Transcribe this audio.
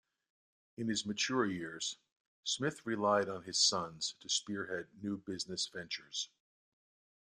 In his mature years, Smith relied on his sons to spearhead new business ventures.